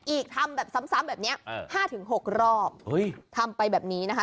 อีกทำแบบซ้ำแบบนี้๕๖รอบทำไปแบบนี้นะคะ